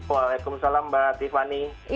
waalaikumsalam mbak tiffany